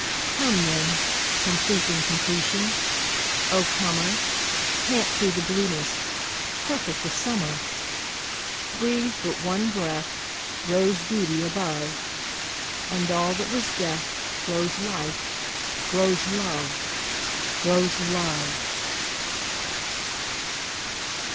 Come then, complete incompletion, O comer, Pant through the blueness, perfect the summer! Breathe but one breath Rose beauty above, And all that was death Grows life, grows love, Grows love!